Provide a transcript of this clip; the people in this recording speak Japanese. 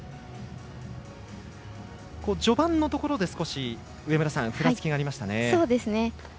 序盤のところで少しふらつきがありましたね。